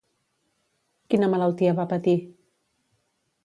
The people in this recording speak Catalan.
Quina malaltia va patir?